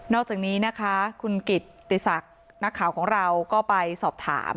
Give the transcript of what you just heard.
อกจากนี้นะคะคุณกิตติศักดิ์นักข่าวของเราก็ไปสอบถาม